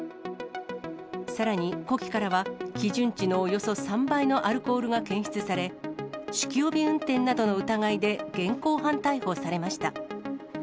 さらに呼気からは、基準値のおよそ３倍のアルコールが検出され、酒気帯び運転などの疑いで現行犯逮捕されました。